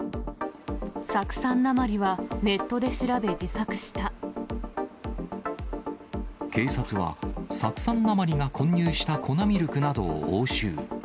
酢酸鉛はネットで調べ、警察は、酢酸鉛が混入した粉ミルクなどを押収。